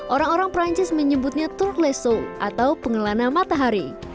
orang orang perancis menyebutnya turleso atau pengelana matahari